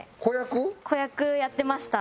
子役やってました。